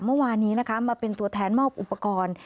เมื่อวานนี้นะคะมาเป็นตัวแทนมอบอุปกรณ์